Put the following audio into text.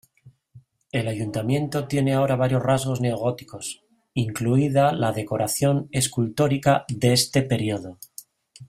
El ayuntamiento tiene ahora varios rasgos neogóticos, incluida la decoración escultórica de este período.